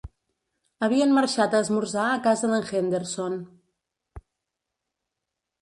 Havien marxat a esmorzar a casa d'en Henderson.